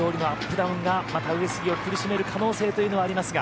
ダウンがまた上杉を苦しめる可能性というのはありますが。